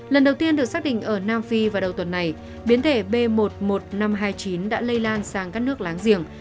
lần đầu tiên được xác định ở nam phi vào đầu tuần này biến thể b một mươi một nghìn năm trăm hai mươi chín đã lây lan sang các nước láng giềng